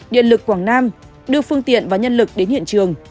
điện lực quảng nam đưa phương tiện và nhân lực đến hiện trường